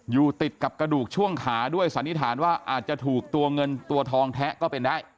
อยู่ติดกับกระดูกช่วงขาด้วยสันนิษฐานว่าอาจจะถูกตัวเงินตัวทองแทะก็เป็นได้